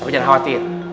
kau jangan khawatir